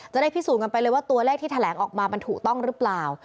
จะได้พิสูจนกันไปเลยว่าตัวเลขที่แถลงออกมามันถูกต้องหรือเปล่า